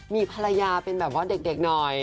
มีภรรยาเป็นแบบว่าเด็กหน่อย